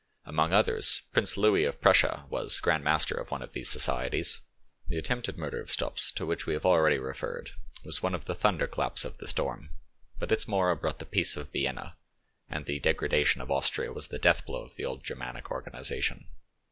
Among others, Prince Louis of Prussia was grandmaster of one of these societies. The attempted murder by Stops, to which we have already referred, was one of the thunderclaps of the storm; but its morrow brought the peace of Vienna, and the degradation of Austria was the death blow of the old Germanic organisation.